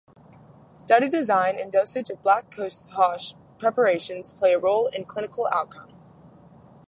Study design and dosage of black cohosh preparations play a role in clinical outcome.